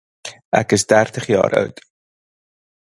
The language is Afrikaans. Ek is dertig jaar oud.